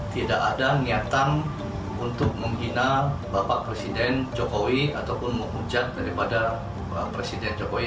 tidak ada niatan untuk menghina bapak presiden jokowi ataupun menghujat daripada presiden jokowi